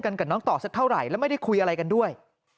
กับน้องต่อสักเท่าไหร่แล้วไม่ได้คุยอะไรกันด้วย